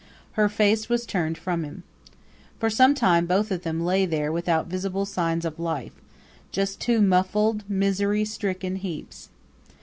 Her face was turned from him. For some time both of them lay there without visible signs of life just two muffled, misery stricken heaps.